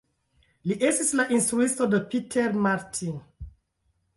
Li estis la instruisto de Peter Martin.